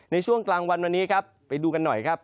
ในช่วงกลางวันวันนี้ครับไปดูกันหน่อยครับ